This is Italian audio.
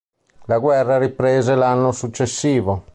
La guerra riprese l'anno successivo.